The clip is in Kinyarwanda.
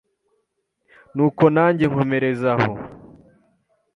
nuko nange nkomereza aho.